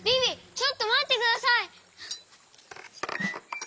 ちょっとまってください！